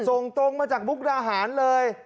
ส่งตรงมาจากมุกดาหารเลย